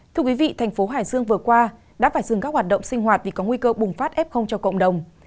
thưa quý vị thành phố hải dương vừa qua đã phải dừng các hoạt động sinh hoạt vì có nguy cơ bùng phát f cho cộng đồng